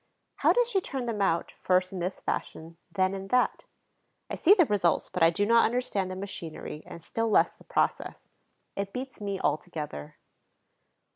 How does she turn them out, first in this fashion, then in that? I see the results, but I do not understand the machinery and still less the process. It beats me altogether.